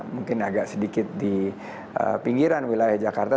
mungkin agak sedikit di pinggiran wilayah jakarta